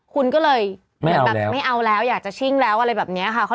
คุณก็เลยไม่เอาแล้วอยากจะชิงแล้วอะไรแบบเนี่ยค่ะ